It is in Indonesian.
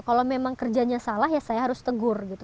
kalau memang kerjanya salah ya saya harus tegur gitu